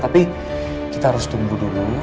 tapi kita harus tunggu dulu